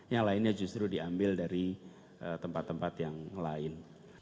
yang lainnya justru diambil dari tempat tempat yang lain